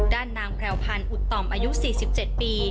ด้านนางแพรวพันธ์อุตต่อมอายุ๔๗ปี